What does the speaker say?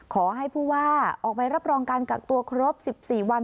ขอให้ผู้ว่าออกไปรับรองการกักตัวครบ๑๔วัน